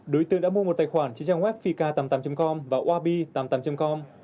đối tượng đã mua một tài khoản trên trang web fika tám mươi tám com và wabi tám mươi tám com